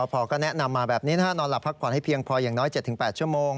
พอก็แนะนำมาแบบนี้นอนหลับพักผ่อนให้เพียงพออย่างน้อย๗๘ชั่วโมง